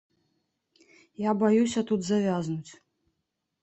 Я баюся тут завязнуць.